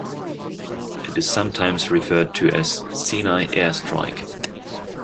It is sometimes referred to as "Sinai Air Strike".